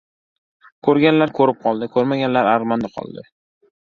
Ko‘rganlar ko‘rib qoldi, ko‘rmaganlar armonda qoldi!